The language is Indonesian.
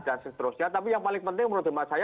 dan seterusnya tapi yang paling penting menurut demat saya